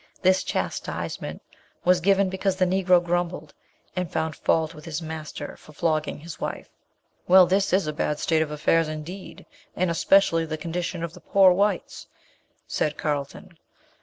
This chastisement was given because the Negro grumbled, and found fault with his master for flogging his wife." "Well, this is a bad state of affairs indeed, and especially the condition of the poor whites," said Carlton.